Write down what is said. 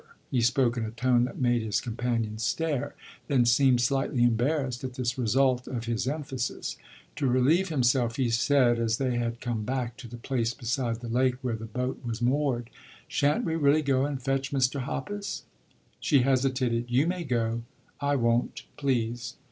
He spoke in a tone that made his companion stare then seemed slightly embarrassed at this result of his emphasis. To relieve himself he said, as they had come back to the place beside the lake where the boat was moored, "Shan't we really go and fetch Mr. Hoppus?" She hesitated. "You may go; I won't, please."